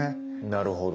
なるほど。